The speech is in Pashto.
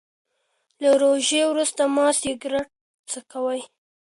له روژې وروسته مه سګریټ څکوئ.